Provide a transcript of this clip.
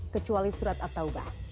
kecuali surat at taubah